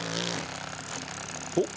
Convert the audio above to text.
おっ。